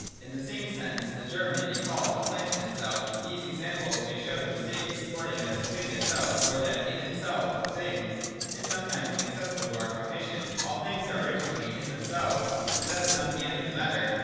In the same sense, the germ may be called the plant in itself These examples may show the mistake of supposing that the 'thing in itself or the 'in itself of things is something inaccessible to our cognition. All things are originally in themselves, but that is not the end of the matter.